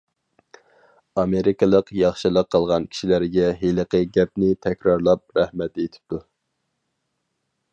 ئامېرىكىلىق ياخشىلىق قىلغان كىشىلەرگە ھېلىقى گەپنى تەكرارلاپ رەھمەت ئېيتىپتۇ.